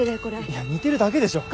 いや似てるだけでしょ。